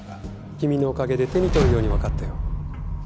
君のおかげで手に取るようにわかったよ。